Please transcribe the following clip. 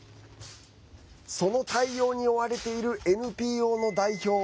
その対応に追われているＮＰＯの代表